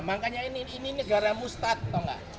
makanya ini negara mustad tahu nggak